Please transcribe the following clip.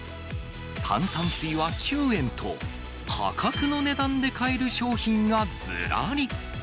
炭酸水は９円と、破格の値段で買える商品がずらり。